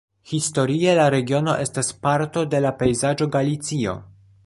Historie la regiono estas parto de la pejzaĝo Galicio.